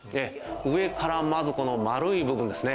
上からまずこの丸い部分ですね